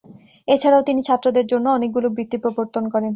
এছাড়াও তিনি ছাত্রদের জন্য অনেকগুলো বৃত্তি প্রবর্তন করেন।